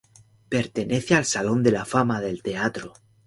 Pertenece al salón de la fama del teatro.